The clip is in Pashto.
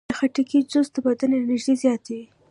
د خټکي جوس د بدن انرژي زیاتوي.